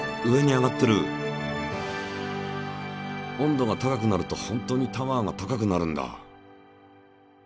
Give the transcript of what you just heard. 温度が高くなるとホントにタワーが高くなるんだ。